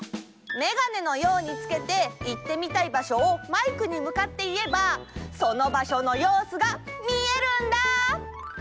メガネのようにつけていってみたい場所をマイクにむかっていえばその場所のようすがみえるんだ！